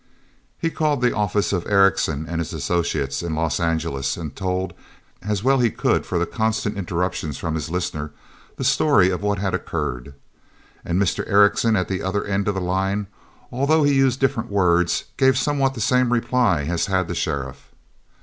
He called the office of Erickson and his associates in Los Angeles and told, as well as he could for the constant interruptions from his listener, the story of what had occurred. And Mr. Erickson at the other end of the line, although he used different words, gave somewhat the same reply as had the sheriff.